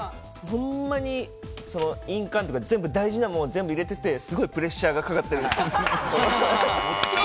ほんまに印鑑とか全部大事なものを全部入れててすごいプレッシャーがかかってる。